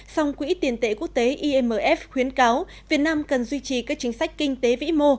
song quỹ tiền tệ quốc tế imf khuyến cáo việt nam cần duy trì các chính sách kinh tế vĩ mô